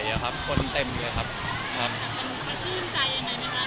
คนเต็มเลยครับครับมันชื่นใจยังไงนะครับเดินมาก่อน